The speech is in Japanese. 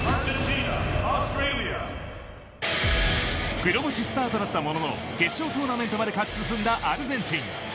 黒星スタートだったものの決勝トーナメントまで勝ち進んだアルゼンチン。